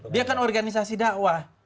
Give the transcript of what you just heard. dia kan organisasi dakwah